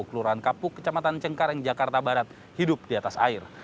kelurahan kapuk kecamatan cengkareng jakarta barat hidup di atas air